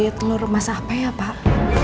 kulit telur emas apa ya pak